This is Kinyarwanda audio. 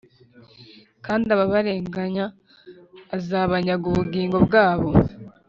kandi ababarenganya azabanyaga ubugingo bwabo